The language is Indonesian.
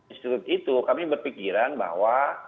institut itu kami berpikiran bahwa